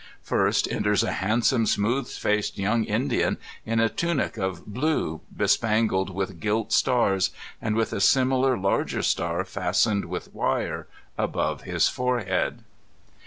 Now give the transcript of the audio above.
First enters a handsome, smooth faced young Indian in a tunic of blue, bespangled with gilt stars, and with a similar larger star fas tened with wire above his forehead.